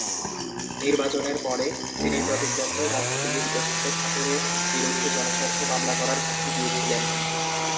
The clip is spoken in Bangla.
নির্বাচনের পরে, তিনি প্রতিদ্বন্দ্বী রাজনীতিবিদ প্রশান্ত ঠাকুরের বিরুদ্ধে জনস্বার্থ মামলা করার হুমকি দিয়েছিলেন।